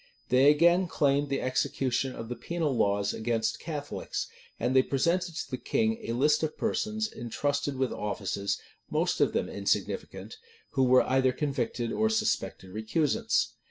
They again claimed the execution of the penal laws against Catholics; and they presented to the king a list of persons intrusted with offices, most of them insignificant who were either convicted or suspected recusants.